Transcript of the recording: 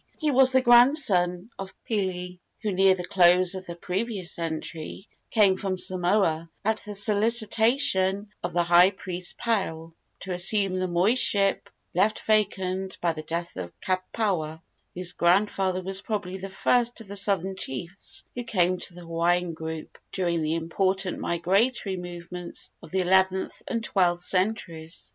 He was the grandson of Pili, who near the close of the previous century came from Samoa, at the solicitation of the high priest Paao, to assume the moiship left vacant by the death of Kapawa, whose grandfather was probably the first of the southern chiefs who came to the Hawaiian group during the important migratory movements of the eleventh and twelfth centuries.